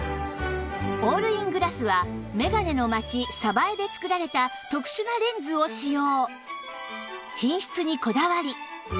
オールイングラスは「めがねのまちさばえ」で作られた特殊なレンズを使用